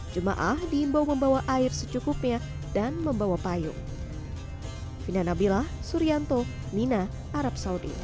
jemaah diimbau membawa air secukupnya dan membawa payung